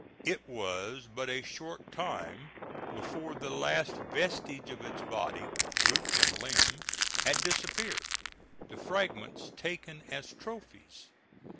It was but a short time before the last vestige of its body, root and limb had disappeared, the fragments taken as trophies.